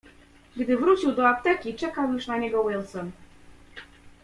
"Gdy wrócił do apteki, czekał już na niego Wilson."